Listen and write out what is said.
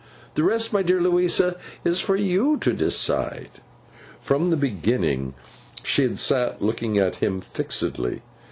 The rest, my dear Louisa, is for you to decide.' From the beginning, she had sat looking at him fixedly.